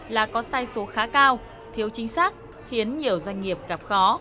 là có sai số khá cao thiếu chính xác khiến nhiều doanh nghiệp gặp khó